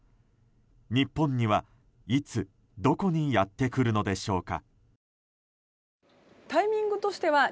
日本には、いつ、どこにやってくるのでしょうか。